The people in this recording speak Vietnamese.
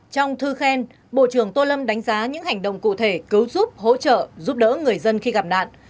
trong thư khen bộ trưởng tô lâm đánh giá những hành động cụ thể cứu giúp hỗ trợ giúp đỡ người dân khi gặp nạn